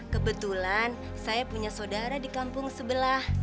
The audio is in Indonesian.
kebetulan saya punya saudara di kampung sebelah